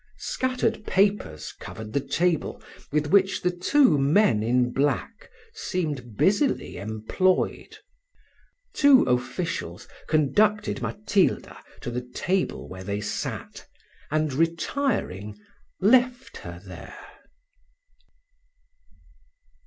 Scattered papers covered the table, with which the two men in black seemed busily employed. Two officials conducted Matilda to the table where they sat, and, retiring, left her there.